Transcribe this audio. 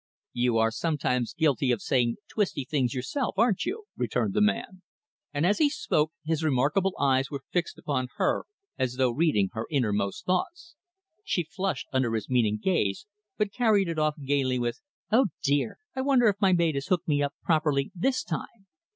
"You are sometimes guilty of saying twisty things yourself, aren't you?" returned the man; and, as he spoke, his remarkable eyes were fixed upon her as though reading her innermost thoughts. She flushed under his meaning gaze, but carried it off gaily with "Oh dear! I wonder if my maid has hooked me up properly, this time?"